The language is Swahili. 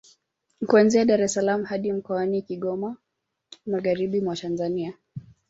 Kuanzia Dar es salaam hadi mkoani Kigoma magharibi mwa Tanzania